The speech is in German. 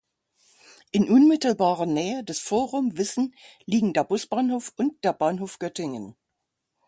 In unmittelbarer Nähe des Forum Wissen liegen der Busbahnhof und der Bahnhof Göttingen.